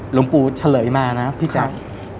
หลวงปู่เฉลยมานะพี่แจ๊ค